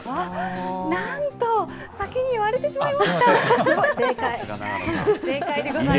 なんと、先に言われてしまい